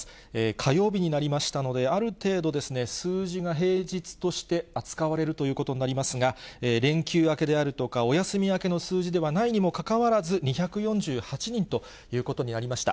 火曜日になりましたので、ある程度ですね、数字が平日として扱われるということになりますが、連休明けであるとか、お休み明けの数字ではないにもかかわらず、２４８人ということになりました。